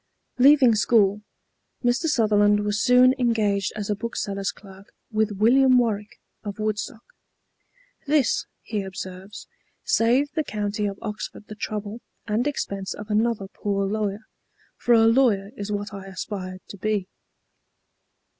'" Leaving school, Mr. Sutherland was soon engaged as a bookseller's clerk with William Warwick, of Woodstock. "This," he observes, "saved the County of Oxford the trouble and expense of another poor lawyer, for a lawyer is what I aspired to be."